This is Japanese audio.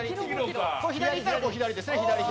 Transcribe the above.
左にやったら左ですね。